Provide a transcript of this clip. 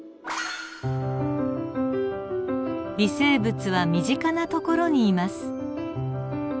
微生物は身近なところにいます。